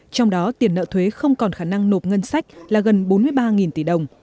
trong đó tiền nợ thuế không còn khả năng nộp ngân sách là gần bốn mươi ba tỷ đồng